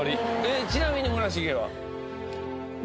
ちなみに村重は？